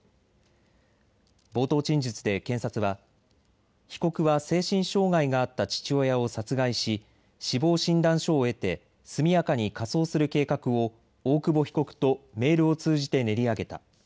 冒頭陳述で検察は被告は精神障害があった父親を殺害し死亡診断書を得て速やかに火葬する計画を大久保被告とメールを通じて練り上げた。